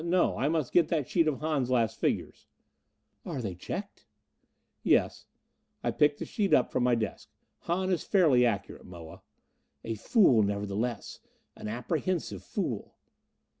No! I must get that sheet of Hahn's last figures." "Are they checked?" "Yes." I picked the sheet up from my desk. "Hahn is fairly accurate, Moa." "A fool nevertheless. An apprehensive fool."